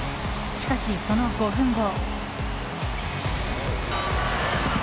しかし、その５分後。